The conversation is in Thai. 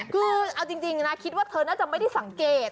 คือเอาจริงนะคิดว่าเธอน่าจะไม่ได้สังเกต